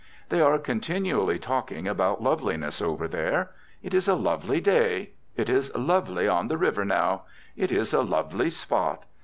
They are continually talking about loveliness over there: it is a lovely day; it is lovely on the river now; it is a lovely spot.